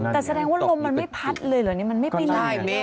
แต่แสดงว่าลมมันไม่พัดเลยเหรอนี่มันไม่เป็นไร